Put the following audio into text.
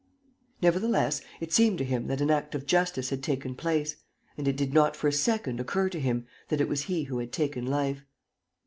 Nevertheless, it seemed to him that an act of justice had taken place, and it did not for a second occur to him that it was he who had taken life.